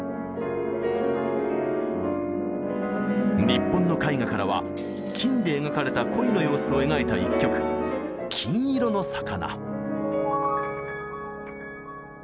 日本の絵画からは金で描かれた鯉の様子を描いた一曲「金色の魚」。